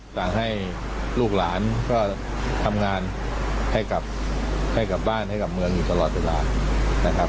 สั่งให้ลูกหลานก็ทำงานให้กลับบ้านให้กับเมืองอยู่ตลอดเวลานะครับ